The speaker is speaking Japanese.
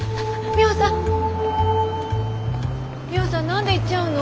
ミホさん何で行っちゃうの。